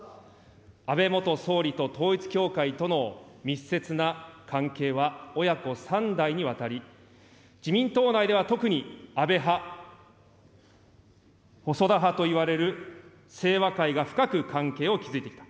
安倍元総理と統一教会との密接な関係は親子３代にわたり、自民党内では特に、安倍派・細田派といわれる清和会が深く関係を築いてきた。